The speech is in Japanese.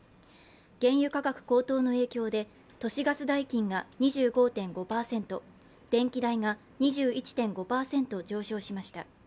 原油価格高騰の影響で都市ガス代金が２５．５％、電気代が２１．５％上昇しました。